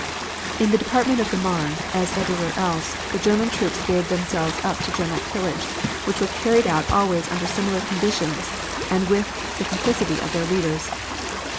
"In the department of the Marne, as everywhere else, the German troops gave themselves up to general pillage, which was carried out always under similar conditions and with the complicity of their leaders.